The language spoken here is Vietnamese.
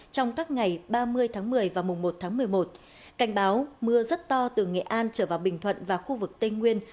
trong các ngày ba mươi tháng một mươi và mùng một tháng một mươi một cảnh báo mưa rất to từ nghệ an trở vào bình thuận và khu vực tây nguyên